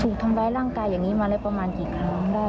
ถูกทำร้ายร่างกายอย่างนี้มาแล้วประมาณกี่ครั้งได้